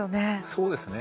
そうですね。